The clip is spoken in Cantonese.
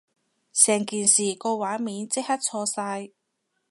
成件事個畫面即刻錯晒